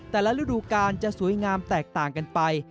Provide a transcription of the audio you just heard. ฤดูกาลจะสวยงามแตกต่างกันไป